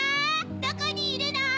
どこにいるの？